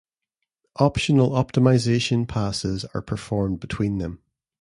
Optional optimisation passes are performed between them.